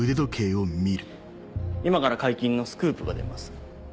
今から解禁のスクープが出ます。